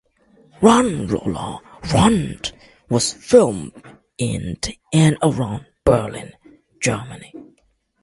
"Run Lola Run" was filmed in and around Berlin, Germany.